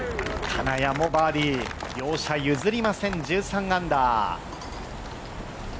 金谷もバーディー、両者譲りません１３アンダー。